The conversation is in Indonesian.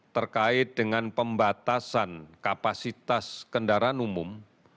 terkait dengan pembatasan kapasitas kendaraan umum